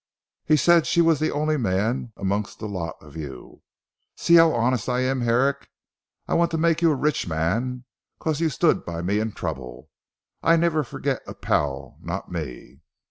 "He said she was the only man amongst the lot of you. See how honest I am Herrick. I want to make you a rich man 'cause you stood by me in trouble I never forget a pal, not me."